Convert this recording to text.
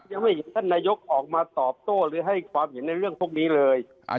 ยังไม่เห็นท่านนายกออกมาตอบโต้หรือให้ความเห็นในเรื่องพวกนี้เลย